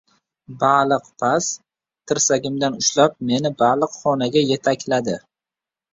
Baliqpaz tirsagimdan ushlab, meni baliqxonasiga yetakladi.